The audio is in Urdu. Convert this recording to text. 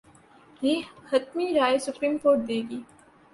پر حتمی رائے سپریم کورٹ دے گی۔